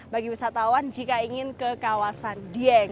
bagi wisatawan jika ingin ke kawasan dieng